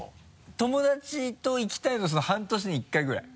友達と行きたいのはその半年に１回ぐらい？